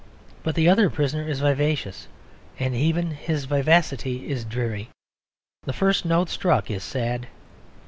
But the other prisoner is vivacious, and even his vivacity is dreary. The first note struck is sad.